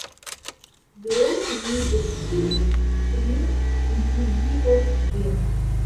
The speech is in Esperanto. Do, mi decidis, ke mi inkluzivos ĝin